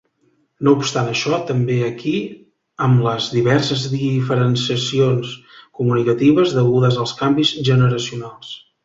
No obstant això, també aquí, amb les diverses diferenciacions comunicatives degudes als canvis generacionals.